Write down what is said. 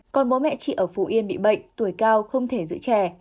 còn bố mẹ chị ở phú yên bị bệnh tuổi cao không thể giữ trẻ